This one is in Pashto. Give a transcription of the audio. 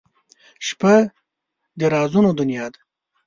• شپه د رازونو دنیا ده.